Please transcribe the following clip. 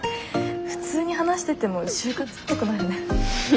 普通に話してても就活っぽくなるね。